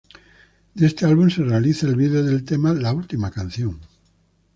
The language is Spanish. De este álbum se realiza el vídeo del tema "La última canción".